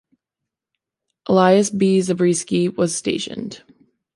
Elias B. Zabriskie, was stationed.